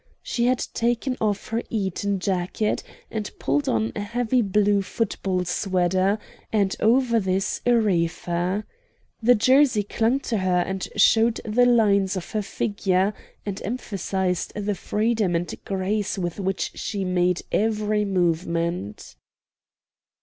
She had taken off her Eton jacket and pulled on a heavy blue football sweater, and over this a reefer. The jersey clung to her and showed the lines of her figure, and emphasized the freedom and grace with which she made every movement.